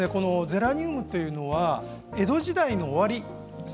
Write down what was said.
ゼラニウムは江戸時代の終わり